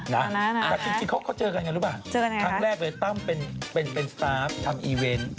นาพิทธิ์จริงเขาเจอกันอย่างไรหรือเปล่าทั้งแรกเลยตั้มเป็นสตาฟทำอีเวนต์